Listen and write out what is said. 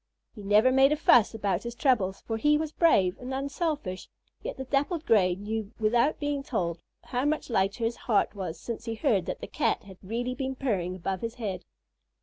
He never made a fuss about his troubles, for he was brave and unselfish, yet the Dappled Gray knew without being told how much lighter his heart was since he heard that the Cat had really been purring above his head.